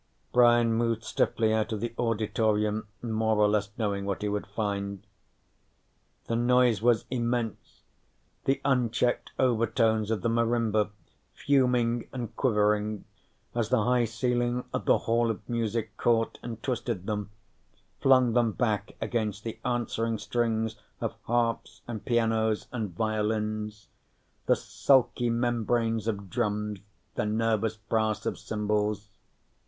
Brian moved stiffly out of the auditorium, more or less knowing what he would find. The noise was immense, the unchecked overtones of the marimba fuming and quivering as the high ceiling of the Hall of Music caught and twisted them, flung them back against the answering strings of harps and pianos and violins, the sulky membranes of drums, the nervous brass of cymbals.